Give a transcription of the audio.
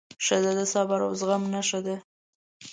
ښځه د صبر او زغم نښه ده.